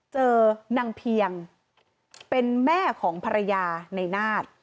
เจอนางเพียงเป็นแม่ของภรรยาในนาฏ